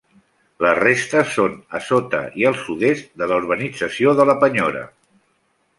Les restes són a sota i al sud-est de la urbanització de la Penyora.